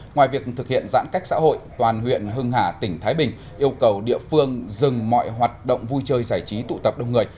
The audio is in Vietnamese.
ngoài việc thực hiện giãn cách xã hội toàn huyện hưng hà tỉnh thái bình yêu cầu địa phương dừng mọi hoạt động vui chơi giải trí tụ tập đông người